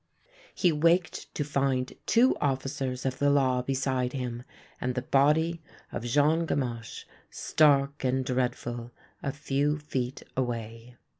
He waked to find two officers of the law beside him, and the body of Jean Gamache, stark and dreadful, a few feet away.